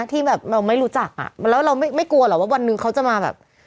ที่แบบเราไม่รู้จักอ่ะแล้วเราไม่กลัวหรอกว่าวันหนึ่งเขาจะมาแบบ